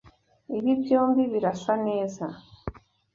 Ibi byombi birasa neza.